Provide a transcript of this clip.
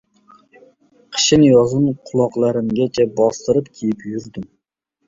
Qishin-yozin quloqlarimgacha bostirib kiyib yurdim.